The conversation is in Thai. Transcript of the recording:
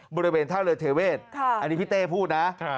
บริเวณท่าเรือเทเวศอันนี้พี่เต้พูดนะ